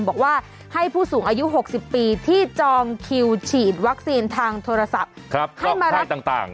บอกว่าให้ผู้สูงอายุ๖๐ปีที่จองคิวฉีดวัคซีนทางโทรศัพท์